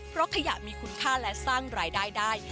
เพราะขยะมีคุณค่าและสร้างรายได้ได้